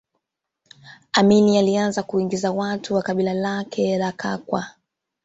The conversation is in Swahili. Amin alianza kuingiza watu wa kabila lake la Kakwa